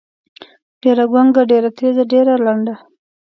ډېــره ګونګــــــه، ډېــره تېــزه، ډېــره لنډه.